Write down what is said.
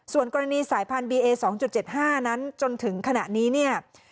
ส่วนกรณีสายพันธุ์บีเอสองจุดเจ็ดห้านั้นจนถึงขณะนี้เนี่ย